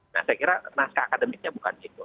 nah saya kira naskah akademiknya bukan siklus